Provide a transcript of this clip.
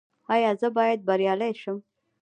ایا زه باید بریالی شم؟